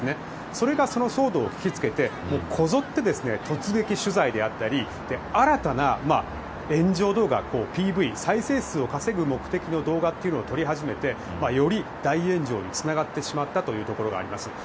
それが、その騒動を聞きつけてこぞって突撃取材であったり新たな炎上動画ＰＶ、再生数を稼ぐ目的の動画を撮り始めてより大炎上につながってしまったというところがあります。